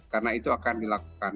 karena itu akan dilakukan